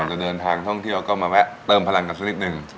จะเดินทางท่องเที่ยวก็มาแวะเติมพลังกันสักนิดหนึ่ง